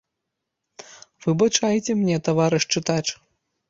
Выбачайце мне, таварыш чытач!